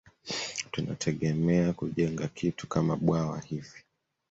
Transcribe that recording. Tunategemea kujenga kitu kama bwawa hivi